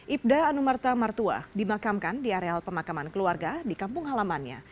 ibda anumerta martua dimakamkan di areal pemakaman keluarga di kampung halamannya